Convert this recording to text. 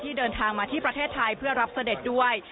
เดินทางมาที่ประเทศไทยเพื่อรับเสด็จด้วย